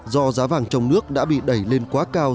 do giá vàng trong nước đã bị đẩy lên quá cao